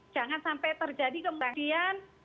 jangan sampai terjadi kemudian